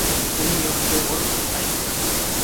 Uning yoniga borib, aytdim.